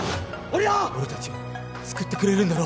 俺たちを救ってくれるんだろ？